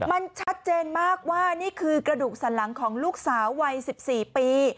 มันชัดเจนมากว่านี่คือกระดูกสันหลังของลูกสาววัย๑๔ปี